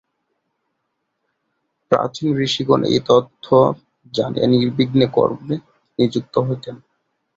প্রাচীন ঋষিগণ এই তত্ত্ব জানিয়া নির্বিঘ্নে কর্মে নিযুক্ত হইতেন।